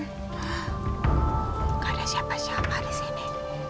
tidak ada siapa siapa di sini